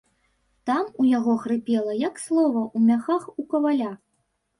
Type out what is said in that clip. Там у яго хрыпела, як слова ў мяхах у каваля.